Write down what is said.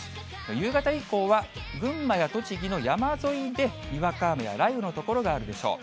夕方以降は群馬や栃木の山沿いでにわか雨や雷雨の所があるでしょう。